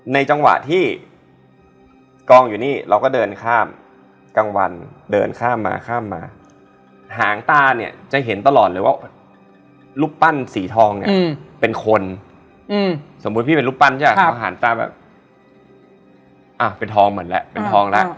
ในความรู้สึกแอในความจำแอเขาไม่ตื่น